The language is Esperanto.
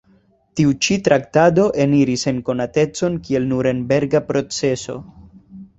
Tiu ĉi traktado eniris en konatecon kiel Nurenberga proceso.